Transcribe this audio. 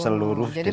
seluruh desa wurno